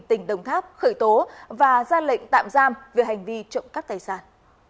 tỉnh đồng tháp khởi tố và ra lệnh tạm giam về hành vi trộm cắp tài sản